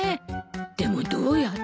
でもどうやって。